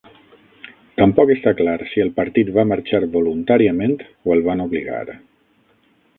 Tampoc està clar si el partit va marxar voluntàriament o el van obligar.